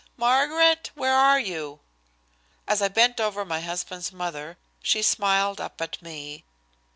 Margaret! Where are you?" As I bent over my husband's mother she smiled up at me.